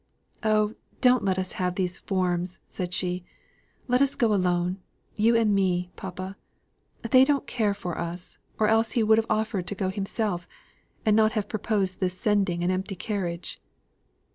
"Oh, don't let us have these forms," said she. "Let us go alone you and me, papa. They don't care for us, or else he would have offered to go himself, and not have proposed this sending an empty carriage."